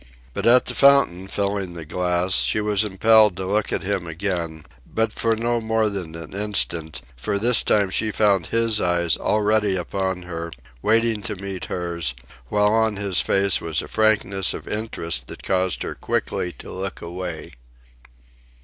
But at the fountain, filling the glass, she was impelled to look at him again but for no more than an instant, for this time she found his eyes already upon her, waiting to meet hers, while on his face was a frankness of interest that caused her quickly to look away.